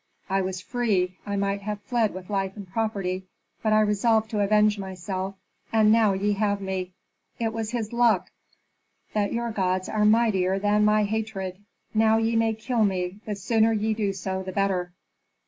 I was free, I might have fled with life and property, but I resolved to avenge myself, and now ye have me. It was his luck that your gods are mightier than my hatred. Now ye may kill me; the sooner ye do so, the better."